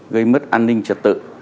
gây mất an ninh trật tự